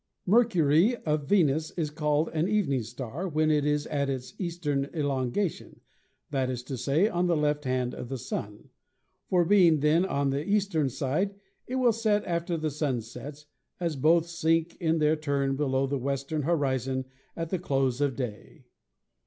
Mercury of Venus is called an "evening star" when it is at its east ern elongation — that is to say, on the left hand of the Sun ; for, being then on the eastern side, it will set after the Sun sets, as both sink in their turn below the western horizon at the close of day.